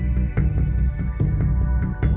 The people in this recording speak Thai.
เวลาที่สุดท้าย